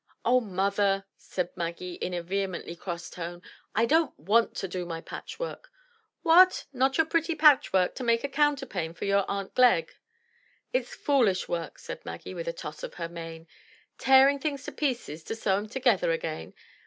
"Oh, mother," said Maggie in a vehemently cross tone, "I don't want to do my patchwork." "What! not your pretty patchwork, to make a counterpane for your aunt Glegg?" "It's foolish work," said Maggie with a toss of her mane — "tearing things to pieces to sew 'em together again.